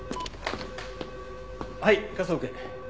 はい科捜研。